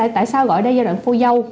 tại sao gọi đây là giai đoạn phôi dâu